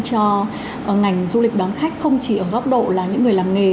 cho ngành du lịch đón khách không chỉ ở góc độ là những người làm nghề